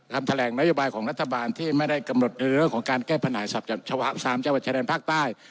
คำแถลงนโยบายของรัฐบาลที่ไม่ได้กำหนดในเรื่องของการแก้ปัญหาเฉพาะ๓จังหวัดชายแดนภาคใต้